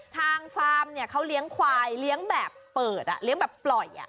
ฟาร์มเนี่ยเขาเลี้ยงควายเลี้ยงแบบเปิดเลี้ยงแบบปล่อย